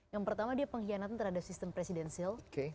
yang pertama dia pengkhianatan terhadap sistem presidensil